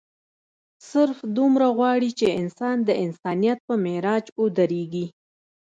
صرف دومره غواړي چې انسان د انسانيت پۀ معراج اودريږي